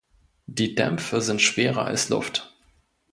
Die Dämpfe sind schwerer als Luft.